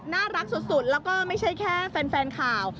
น่ารักสุดแล้วก็ไม่ใช่แค่แฟนข่าว